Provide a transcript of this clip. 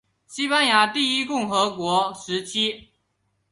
西班牙第一共和国时期。